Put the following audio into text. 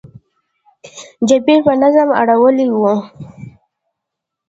جبیر په نظم اړولې وه.